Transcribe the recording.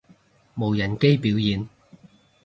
無人機表演